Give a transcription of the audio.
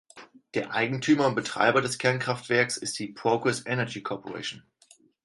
Der Eigentümer und Betreiber des Kernkraftwerks ist die Progress Energy Corporation.